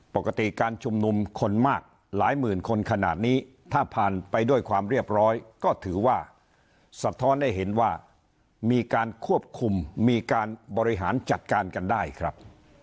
การชุมนุมคนมากหลายหมื่นคนขนาดนี้ถ้าผ่านไปด้วยความเรียบร้อยก็ถือว่าสะท้อนให้เห็นว่ามีการควบคุมมีการบริหารจัดการกันได้ครับ